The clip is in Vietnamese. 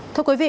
thưa quý vị